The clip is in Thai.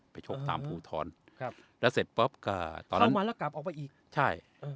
ไปชกตามภูทรครับแล้วเสร็จป๊อบก็เข้ามาแล้วกลับออกไปอีกใช่